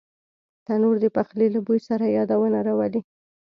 تنور د پخلي له بوی سره یادونه راولي